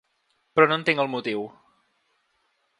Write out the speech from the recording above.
Però no entenc el motiu.